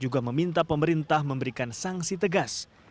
juga meminta pemerintah memberikan sanksi tegas